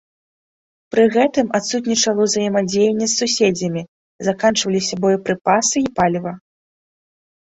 Пры гэтым адсутнічала ўзаемадзеянне з суседзямі, заканчваліся боепрыпасы і паліва.